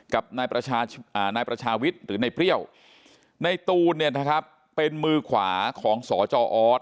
กับนายประชาวิทย์หรือในเปรี้ยวในตูนเป็นมือขวาของสจอ